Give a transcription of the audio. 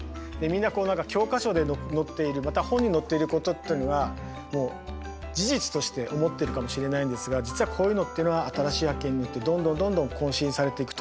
みんなこう何か教科書で載っているまた本に載っていることっていうのがもう事実として思ってるかもしれないんですが実はこういうのっていうのは新しい発見によってどんどんどんどん更新されていく。